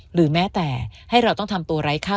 หรือแม้แต่ให้เราต้องทำตัวไร้ค่า